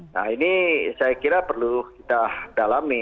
nah ini saya kira perlu kita dalami